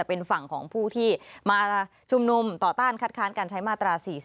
เป็นฝั่งของผู้ที่มาชุมนุมต่อต้านคัดค้านการใช้มาตรา๔๔